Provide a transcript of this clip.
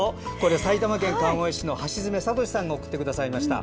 埼玉県川越市の橋爪悟司さんが送ってくださいました。